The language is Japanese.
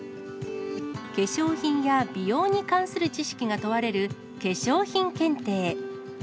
化粧品や美容に関する知識が問われる、化粧品検定。